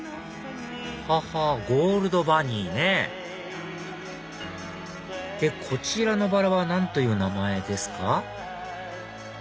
はは「ゴールドバニー」ねでこちらのバラは何という名前ですか？